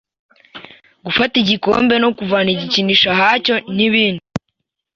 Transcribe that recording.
gufata igikombe no kuvana igikinisho ahacyo, n ibindi.